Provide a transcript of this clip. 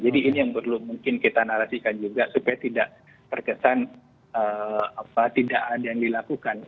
jadi ini yang perlu mungkin kita narasikan juga supaya tidak terkesan tidak ada yang dilakukan